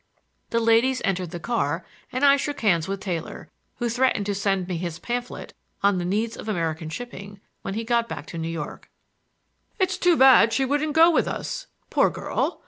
The ladies entered the car and I shook hands with Taylor, who threatened to send me his pamphlet on The Needs of American Shipping, when he got back to New York. "It's too bad she wouldn't go with us. Poor girl!